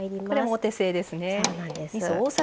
これもお手製ですね。